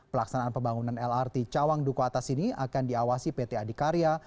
pelaksanaan pembangunan lrt cawang duku atas ini akan diawasi pt adikarya